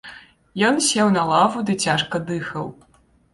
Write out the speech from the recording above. Ён сеў на лаву ды цяжка дыхаў.